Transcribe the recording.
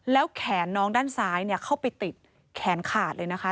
แล้วแขนน้องด้านซ้ายเข้าไปติดแขนขาดเลยนะคะ